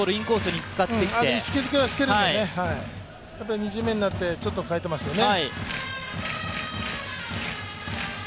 意識づけはしているのでね、２巡目になって、ちょっと変えてますよね。